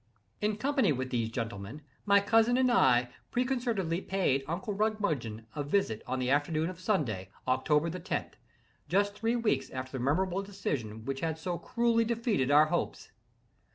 In company with these gentlemen, my cousin and I, preconcertedly paid uncle Rumgudgeon a visit on the afternoon of Sunday, October the tenth,—just three weeks after the memorable decision which had so cruelly defeated our hopes.